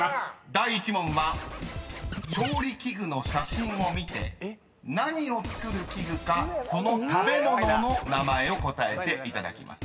［第１問は調理器具の写真を見て何を作る器具かその食べ物の名前を答えていただきます。